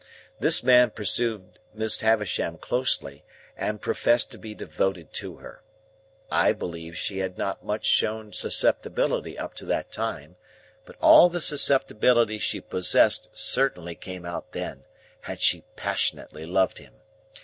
This man pursued Miss Havisham closely, and professed to be devoted to her. I believe she had not shown much susceptibility up to that time; but all the susceptibility she possessed certainly came out then, and she passionately loved him.